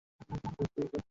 আমাদের আবার ভাবতে হবে।